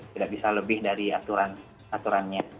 tidak bisa lebih dari aturan aturannya